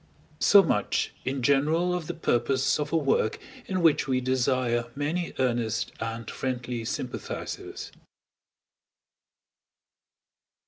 So much in general of the purpose of a work in which we desire many earnest and friendly sympathizers.